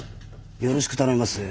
よろしく頼みますぜ。